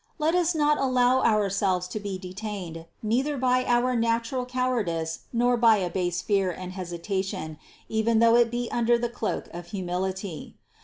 Let us not allow our selves to be detained, neither by our natural cowardice nor by a base fear and hesitation, even though it be under the cloak of humility.